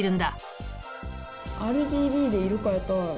ＲＧＢで色変えたい。